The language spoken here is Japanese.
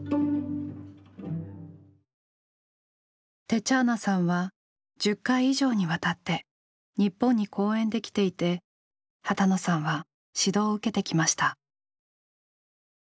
テチャーナさんは１０回以上にわたって日本に公演で来ていて波多野さんは指導を受けてきました。